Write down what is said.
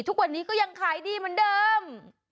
ทุกวันนี้ก็ยังขายดีเหมือนเดิม